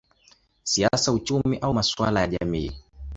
siasa, uchumi au masuala ya jamii.